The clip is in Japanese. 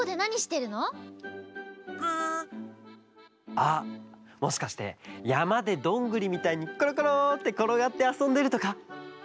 あっもしかしてやまでどんぐりみたいにころころってころがってあそんでるとか？